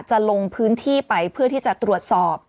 ลงพื้นที่ไปเพื่อที่จะตรวจสอบ